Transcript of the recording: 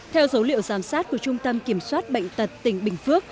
theo dấu liệu giám sát của trung tâm kiểm soát bệnh tật tỉnh bình phước